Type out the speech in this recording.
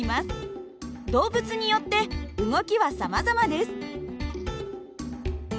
動物によって動きはさまざまです。